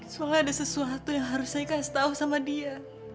soalnya ada sesuatu yang harus saya kasih tau sama dia